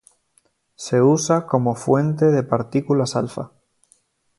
Se usa como fuente de partículas alfa.